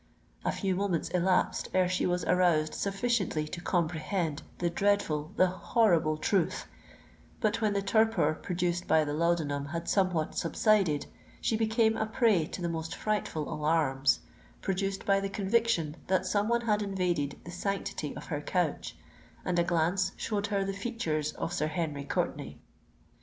A few moments elapsed ere she was aroused sufficiently to comprehend the dreadful—the horrible truth; but when the torpor produced by the laudanum had somewhat subsided, she became a prey to the most frightful alarms, produced by the conviction that some one had invaded the sanctity of her couch—and a glance showed her the features of Sir Henry Courtenay.